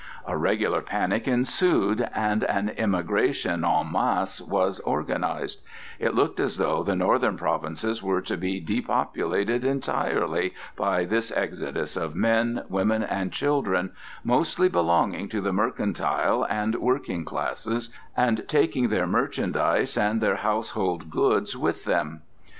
A regular panic ensued, and an emigration en masse was organized; it looked as though the northern provinces were to be depopulated entirely by this exodus of men, women and children, mostly belonging to the mercantile and working classes, and taking their merchandise and their household goods with them.